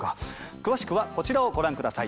詳しくはこちらをご覧下さい。